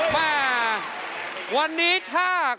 เป็นไง